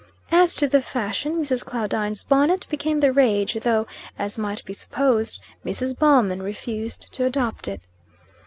As to the fashion, Mrs. Claudine's bonnet became the rage; though, as might be supposed, Mrs. Ballman refused to adopt it.